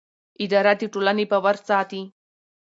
اداره د ټولنې باور ساتي.